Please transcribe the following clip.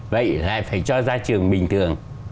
vậy lại phải cho ra trường bình thường